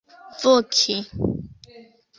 voki